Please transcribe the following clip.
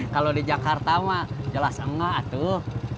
kalau di jakarta mah jelas enggak tuh